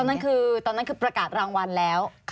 นั่นคือตอนนั้นคือประกาศรางวัลแล้ว